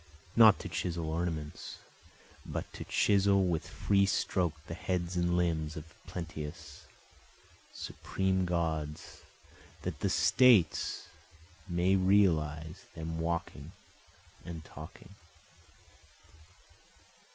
Not to chisel ornaments, But to chisel with free stroke the heads and limbs of plenteous supreme Gods, that the States may realize them walking and talking.